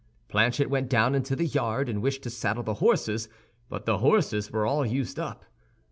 Planchet went down into the yard, and wished to saddle the horses; but the horses were all used up.